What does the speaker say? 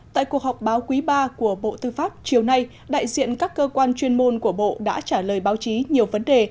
tại cuộc họp báo quý ba của bộ tư pháp chiều nay đại diện các cơ quan chuyên môn của bộ đã trả lời báo chí nhiều vấn đề